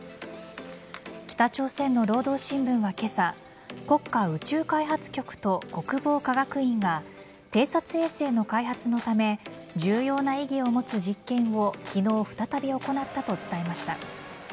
北朝鮮の労働新聞は今朝国家宇宙開発局と国防科学院が偵察衛星の開発のため重要な意義を持つ実験を昨日、再び行ったと伝えました。